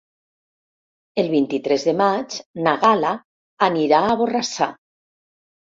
El vint-i-tres de maig na Gal·la anirà a Borrassà.